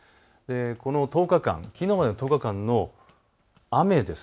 この１０日間、きのうまでの１０日間の雨です。